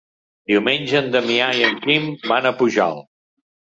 Diumenge en Damià i en Quim van a Pujalt.